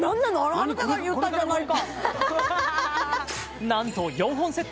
あなたが言ったんじゃないか！